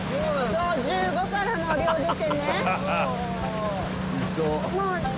そう１５からもう漁出てね